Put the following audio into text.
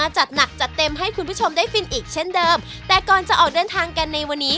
จัดหนักจัดเต็มให้คุณผู้ชมได้ฟินอีกเช่นเดิมแต่ก่อนจะออกเดินทางกันในวันนี้